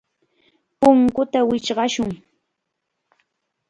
Punkuta wichqashun.